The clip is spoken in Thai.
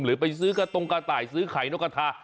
หรือไปซื้อกระตงกะไต่ซื้อไข่นกกะทา